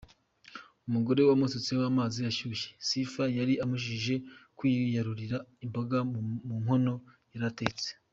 Umugore wamusutseho amazi ashyushye, Sifa yari umubujije kwiyarurira imboga mu nkono yaratetse.